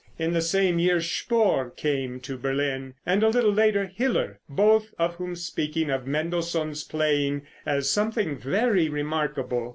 In the same year Spohr came to Berlin, and a little later Hiller, both of whom speak of Mendelssohn's playing as something very remarkable.